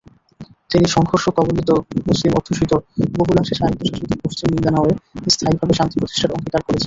তিনি সংঘর্ষকবলিত, মুসলিম–অধ্যুষিত, বহুলাংশে স্বায়ত্তশাসিত পশ্চিম মিন্দানাওয়ে স্থায়ীভাবে শান্তি প্রতিষ্ঠার অঙ্গীকার করেছেন।